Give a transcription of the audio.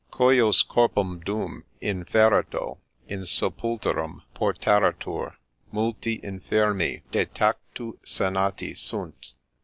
Cujus corpus dura, in fereto, in sepulturam portaretur, taulti infirmi de tactu sanati sunt.'